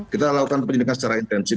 kita lakukan penyelidikan secara intensif